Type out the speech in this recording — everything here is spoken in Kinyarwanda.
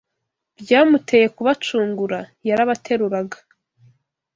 byamuteye kubacungura; yarabateruraga,